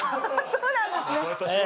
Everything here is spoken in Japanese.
そうなんですね。